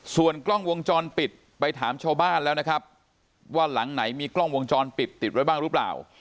ส่วนกล้องวงจรปิดไปถามชาวบ้านแล้วนะครับว่าหลังไหนมีกล้องวงจรปิดติดไว้บ้างหรือเปล่า